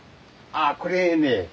ああこれね